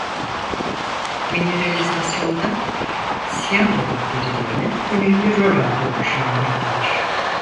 Mineralizasyonda siyanobakterilerin önemli rol aldığı düşünülmektedir.